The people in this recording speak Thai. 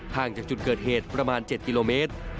ห่างจากจุดเกิดเหตุประมาณ๗กิโลเมตร